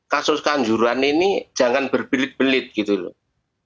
kasuskan juruhan ini jangan berbelit belit gitu loh